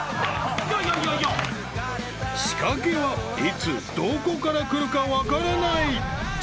［仕掛けはいつどこからくるか分からない］